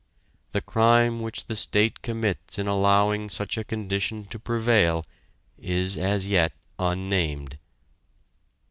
The crime which the state commits in allowing such a condition to prevail is as yet unnamed.